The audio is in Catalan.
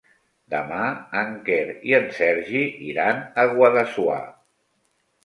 Demà en Quer i en Sergi iran a Guadassuar.